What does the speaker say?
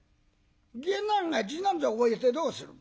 「下男が字なんぞ覚えてどうする？